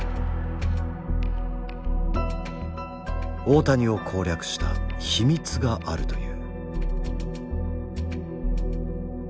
大谷を攻略した秘密があるという。